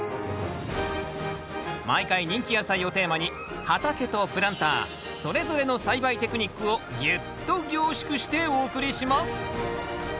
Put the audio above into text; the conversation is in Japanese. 毎回人気野菜をテーマに畑とプランターそれぞれの栽培テクニックをぎゅっと凝縮してお送りします。